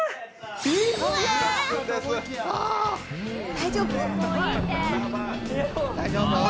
大丈夫？